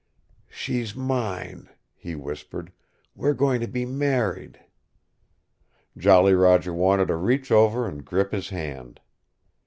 "She's mine," he whispered. "We're going to be married." Jolly Roger wanted to reach over and grip his hand.